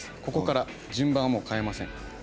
ここから順番はもう変えません。